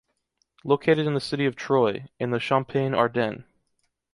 Located in the city of Troyes, in the Champagne-Ardenne.